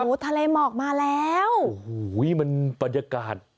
โอ้โหทะเลหมอกมาแล้วโอ้โหมันบรรยากาศ